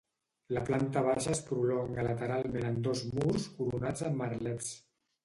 La planta baixa es prolonga lateralment en dos murs coronats amb merlets.